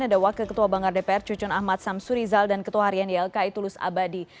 ada wakil ketua banggar dpr cucun ahmad samsuri zal dan ketua harian ylki tulus abadi